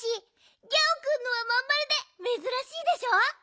ギャオくんのはまんまるでめずらしいでしょ。